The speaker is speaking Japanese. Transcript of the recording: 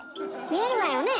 見えるわよね？